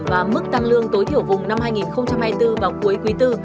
và mức tăng lương tối thiểu vùng năm hai nghìn hai mươi bốn vào cuối quý iv